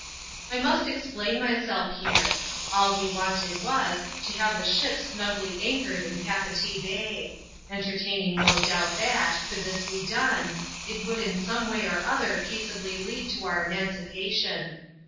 I must explain myself here. All we wanted was, to have the ship snugly anchored in Papeetee Bay ; entertaining no doubt that, could this be done, it would in some way or other peace ably lead to our emancipation.